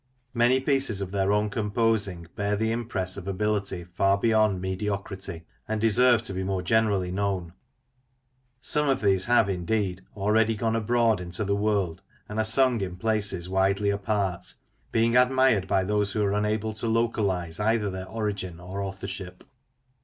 Many pieces of their own composing bear the impress of ability far beyond mediocrity, and deserve to be more generally known. Some of these have, indeed, already gone abroad into the world, and are sung in places widely apart; being admired by those who are unable to localise either their origin or authorship.